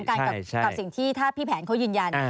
กับสิ่งที่ถ้าพี่แผนเขายืนยัน